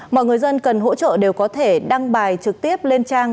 mọi người dân cần hỗ trợ đều có thể đăng bài trực tiếp lên trang